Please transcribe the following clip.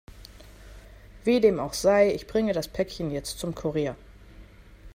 Wie dem auch sei, ich bringe das Päckchen jetzt zum Kurier.